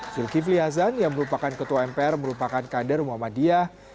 zulkifli hasan yang merupakan ketua mpr merupakan kader muhammadiyah